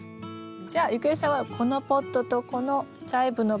じゃあ郁恵さんはこのポットとこのチャイブのポット